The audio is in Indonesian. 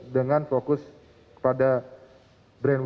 dengan fokus pada brand